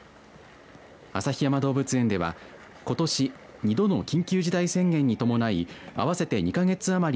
旭山動物園ではことし２度の緊急事態宣言に伴い合わせて２か月余り